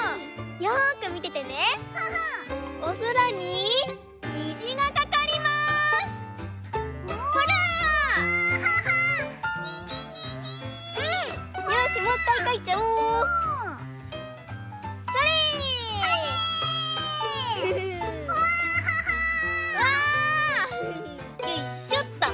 よいしょと。